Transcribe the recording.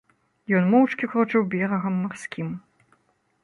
Ён моўчкі крочыў берагам марскім.